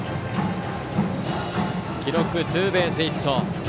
記録、ツーベースヒット。